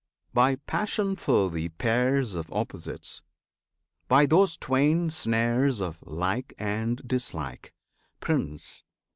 By passion for the "pairs of opposites," By those twain snares of Like and Dislike, Prince!